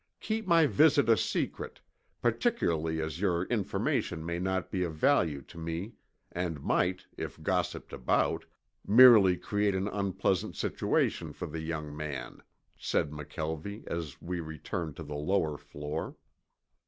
Keep my visit a secret, particularly as your information may not be of value to me and might, if gossiped about, merely create an unpleasant situation for the young man," said McKelvie as we returned to the lower floor.